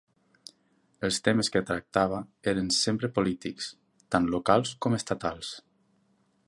Els temes que tractava eren sempre polítics, tant locals com estatals.